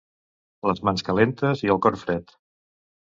Les mans calentes i el cor fred.